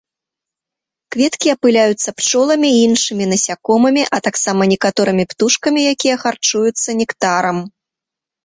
Кветкі апыляюцца пчоламі і іншымі насякомымі, а таксама некаторымі птушкамі, якія харчуюцца нектарам.